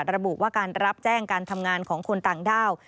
ระบุว่าการรับแจ้งการทำงานของคนต่างด้าว